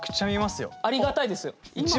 ありがたいですよ。